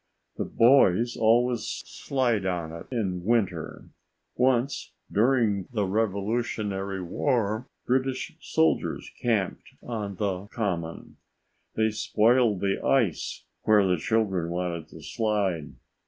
The boys always slide on it in winter. Once during the Revolutionary War, British soldiers camped on the Common. They spoiled the ice where the children wanted to slide."